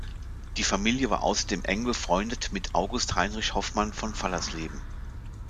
Die Familie war außerdem eng befreundet mit August Heinrich Hoffmann von Fallersleben.